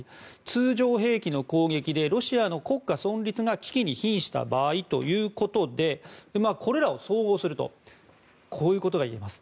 通常兵器の攻撃でロシアの国家存立が危機に瀕した場合ということでこれらを総合するとこういうことが言えます。